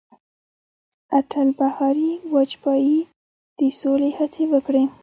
اتل بهاري واجپايي د سولې هڅې وکړې.